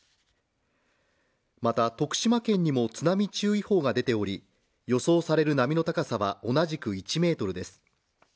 また徳島県にも津波注意報が出ており、予想される波の高さは、同じく１ｍです。